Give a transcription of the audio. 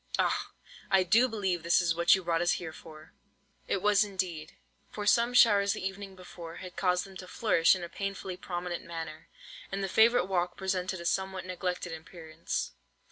Ah! I do believe this is what you have brought us here for!" It was indeed; for some showers the evening before, had caused them to flourish in a painfully prominent manner, and the favourite walk presented a somewhat neglected appearance.